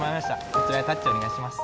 こちらにタッチお願いします